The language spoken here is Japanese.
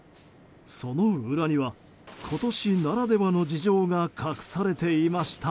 その裏には、今年ならではの事情が隠されていました。